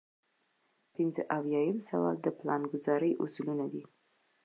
پنځه اویایم سوال د پلانګذارۍ اصلونه دي.